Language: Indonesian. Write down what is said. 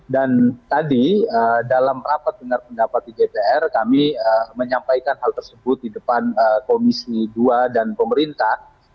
dan tadi dalam rapat dengan pendapat di jpr kami menyampaikan hal tersebut di depan komisi dua dan pemerintah